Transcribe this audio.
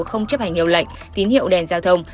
không chấp hành hiệu lệnh tín hiệu đèn giao thông